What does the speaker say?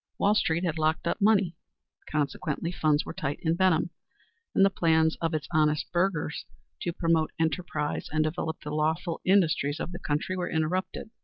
Wall street had locked up money; consequently funds were tight in Benham, and the plans of its honest burghers to promote enterprise and develop the lawful industries of the country were interrupted.